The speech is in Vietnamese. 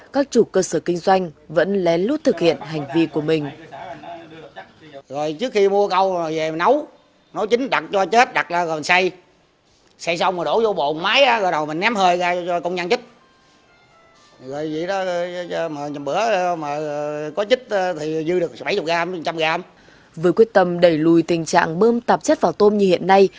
với quyết tâm đẩy lùi tình trạng bơm tạp chất vào tôm như hiện nay